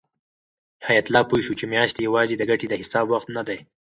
حیات الله پوه شو چې میاشتې یوازې د ګټې د حساب وخت نه دی.